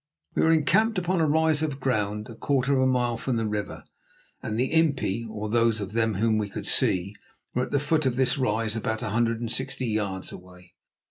We were encamped upon a rise of ground a quarter of a mile from the river, and the impi, or those of them whom we could see, were at the foot of this rise about a hundred and sixty yards away.